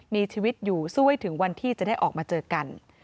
มีชีวิตอยู่สู้ให้ถึงวันที่จะได้ออกมาเจอกัน